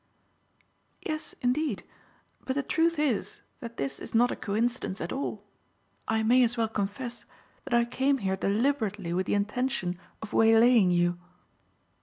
"Yes, indeed. But the truth is that this is not a coincidence at all. I may as well confess that I came here deliberately with the intention of waylaying you."